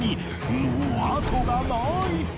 もう後がない！